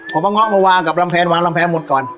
ผมเอาเงาะมาวางกับลำแพนวางลำแพงหมดก่อน